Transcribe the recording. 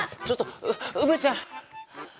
ちょっとうぶちゃん！